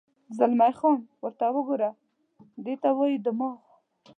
زلمی خان: ورته وګوره، دې ته وایي دماغ.